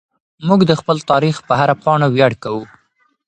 موږ د خپل تاریخ په هره پاڼه ویاړ کوو.